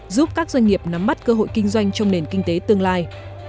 giúp các doanh nghiệp nắm bắt cơ hội kinh doanh trong nền kinh tế tương lai